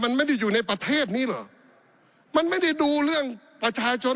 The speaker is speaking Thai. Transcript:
มันไม่ได้อยู่ในประเทศนี้เหรอมันไม่ได้ดูเรื่องประชาชน